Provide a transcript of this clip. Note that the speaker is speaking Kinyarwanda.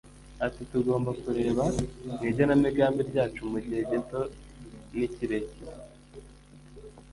Ati “Tugomba kureba mu igenamigambi ryacu mu gihe gito n’ikirekire